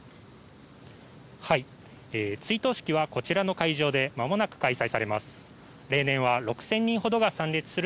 追悼式はこちらの会場でまもなく開催されます。